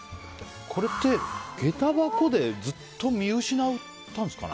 これって、下駄箱でずっと見失ったんですかね。